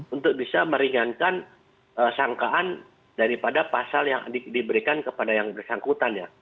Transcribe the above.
untuk bisa meringankan sangkaan daripada pasal yang diberikan kepada yang bersangkutan ya